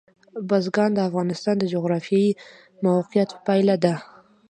بزګان د افغانستان د جغرافیایي موقیعت پایله ده.